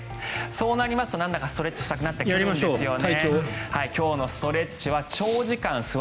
そうなると、なんだかストレッチしたくなるんですよね。